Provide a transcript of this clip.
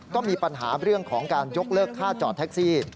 ก็มีปัญหาเรื่องของการยกเลิกค่าจอดแท็กซี่